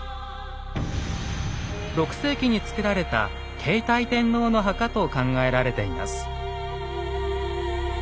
６世紀に造られた継体天皇の墓と考えられています。